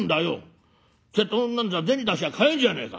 瀬戸物なんざ銭出しゃ買えるじゃねえか。